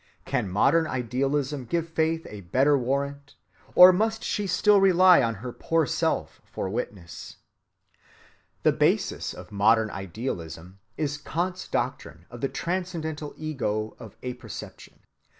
Can modern idealism give faith a better warrant, or must she still rely on her poor self for witness? ‐‐‐‐‐‐‐‐‐‐‐‐‐‐‐‐‐‐‐‐‐‐‐‐‐‐‐‐‐‐‐‐‐‐‐‐‐ The basis of modern idealism is Kant's doctrine of the Transcendental Ego of Apperception.